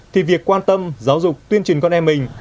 thì việc quan tâm giáo dục tuyên truyền con em mình